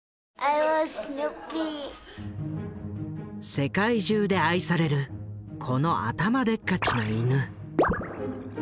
世界中で愛されるこの頭でっかちな犬。